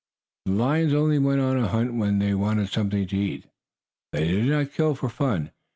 The lions only went on a hunt when they wanted something to eat. They did not kill for fun.